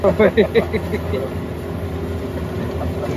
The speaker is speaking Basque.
Filosofian eta Zientziatan doktoretza egin du.